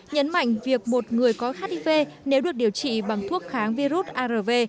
nhấn mạnh việc một người có hiv nếu được điều trị bằng thuốc kháng virus arv